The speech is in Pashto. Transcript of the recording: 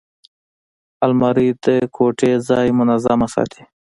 الماري د کوټې ځای منظمه ساتي